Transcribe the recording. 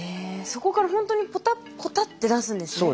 そこからほんとにポタポタって出すんですね。